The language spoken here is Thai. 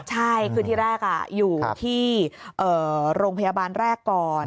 ใช่คือที่แรกอยู่ที่โรงพยาบาลแรกก่อน